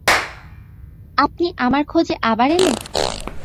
আপনি আমার খোঁজে আবার এলেন?